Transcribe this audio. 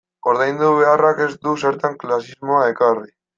Ordaindu beharrak ez du zertan klasismoa ekarri.